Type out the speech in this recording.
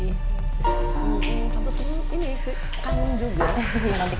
kalo kamu baik aku juga baik